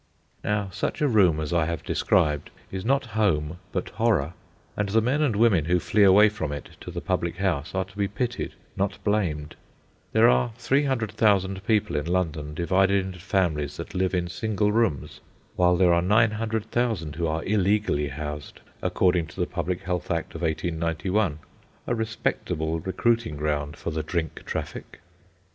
Now such a room as I have described is not home but horror; and the men and women who flee away from it to the public house are to be pitied, not blamed. There are 300,000 people, in London, divided into families that live in single rooms, while there are 900,000 who are illegally housed according to the Public Health Act of 1891—a respectable recruiting ground for the drink traffic.